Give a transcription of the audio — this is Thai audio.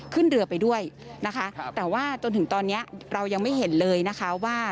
ขึ้นเรือไปด้วยนะคะแต่ว่าจนถึงตอนนี้เรายังไม่เห็นเลยนะคะว่า